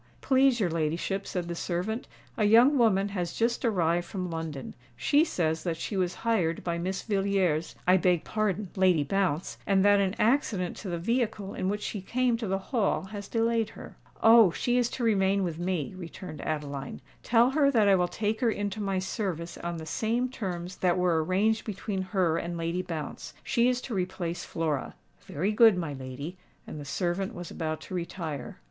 "Please your ladyship," said the servant, "a young woman has just arrived from London. She says that she was hired by Miss Villiers—I beg pardon Lady Bounce—and that an accident to the vehicle in which she came to the Hall has delayed her." "Oh! she is to remain with me," returned Adeline. "Tell her that I will take her into my service on the same terms that were arranged between her and Lady Bounce. She is to replace Flora." "Very good, my lady;"—and the servant was about to retire.